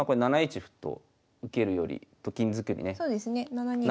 ７二歩成。